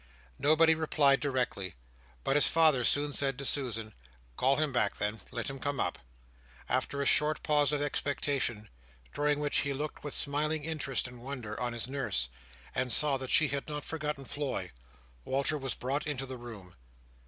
Nobody replied directly; but his father soon said to Susan, "Call him back, then: let him come up!" Alter a short pause of expectation, during which he looked with smiling interest and wonder, on his nurse, and saw that she had not forgotten Floy, Walter was brought into the room.